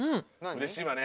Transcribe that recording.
うれしいわね。